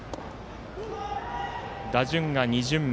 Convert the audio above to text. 打順が２巡目。